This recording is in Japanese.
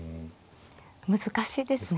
難しいですね。